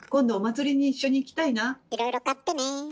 いろいろ買ってね。